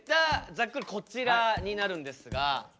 ざっくりこちらになるんですが。